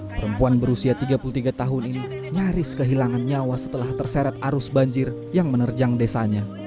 perempuan berusia tiga puluh tiga tahun ini nyaris kehilangan nyawa setelah terseret arus banjir yang menerjang desanya